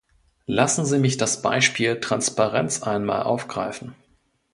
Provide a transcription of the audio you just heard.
Lassen Sie mich das Beispiel Transparenz einmal aufgreifen.